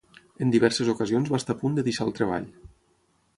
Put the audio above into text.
En diverses ocasions va estar a punt de deixar el treball.